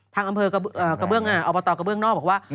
ทางอำเภอกระเบื้องอบตกระเบื้องนอกบอกว่า